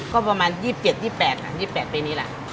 ก็ประมาณ๒๗๒๘ปีนี้ค่ะ